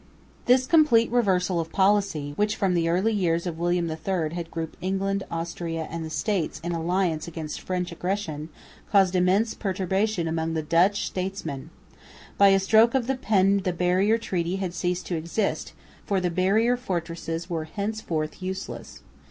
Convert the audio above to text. This complete reversal of the policy, which from the early years of William III had grouped England, Austria and the States in alliance against French aggression, caused immense perturbation amongst the Dutch statesmen. By a stroke of the pen the Barrier Treaty had ceased to exist, for the barrier fortresses were henceforth useless.